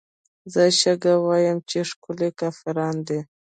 زه شکه وايمه چې ښکلې کافران دي